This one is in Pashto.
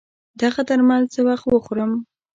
دغه درمل څه وخت وخورم